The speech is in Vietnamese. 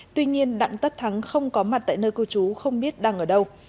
tuy nhiên đặng tất thắng không có mặt tại nơi cư trú không biết đang ở đâu